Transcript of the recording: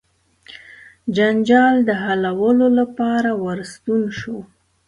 جنجال د حلولو لپاره ورستون سو.